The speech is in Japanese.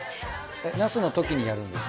ナスのときにやるんですか？